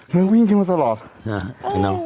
วิ่งขึ้นมาตลอด